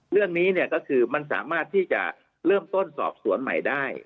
เรื่องนี้เนี่ยก็คือมันสามารถที่จะเริ่มต้นสอบสวนใหม่ได้